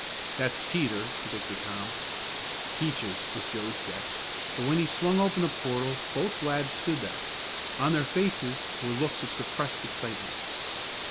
"That's Teeter," predicted Tom. "Peaches," was Joe's guess, but when he swung open the portal both lads stood there. On their faces were looks of suppressed excitement.